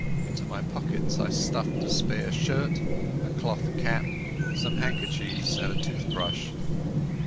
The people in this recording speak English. Into my pockets I stuffed a spare shirt, a cloth cap, some handkerchiefs, and a tooth brush.